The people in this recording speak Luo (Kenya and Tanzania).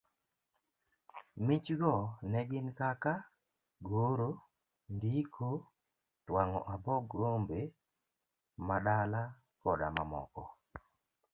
Mich go ne gin kaka, goro, ndiko, twang'o abuog rombemadala koda mamoko.